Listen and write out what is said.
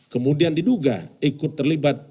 kemudian diduga ikut terlibat